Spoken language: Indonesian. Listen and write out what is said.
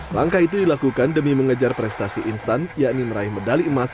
langkah itu dilakukan demi mengejar prestasi instan yakni meraih medali emas